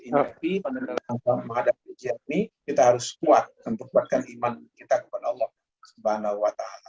tapi pada menghadapi ujian ini kita harus kuat untuk buatkan iman kita kepada allah swt